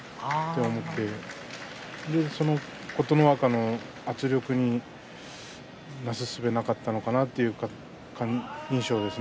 ですから琴ノ若の圧力になすすべがなかったのかなとそういう印象です。